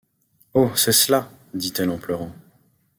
Oh ! c’est cela, dit-elle en pleurant.